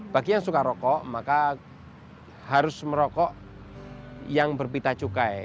bagi yang suka rokok maka harus merokok yang berpita cukai